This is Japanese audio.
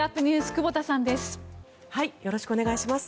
久保田さんです。